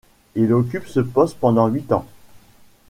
Il occupe ce poste pendant huit ans.